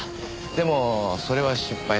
でもそれは失敗。